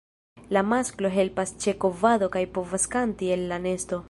La masklo helpas ĉe kovado kaj povas kanti el la nesto.